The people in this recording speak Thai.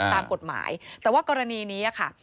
ตามกฎหมายแต่ว่ากรณีนี้ค่ะ